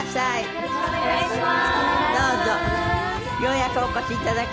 よろしくお願いします。